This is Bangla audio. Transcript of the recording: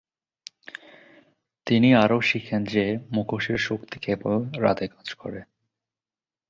তিনি আরও শিখেন যে মুখোশের শক্তি কেবল রাতে কাজ করে।